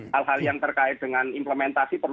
hal hal yang terkait dengan implementasi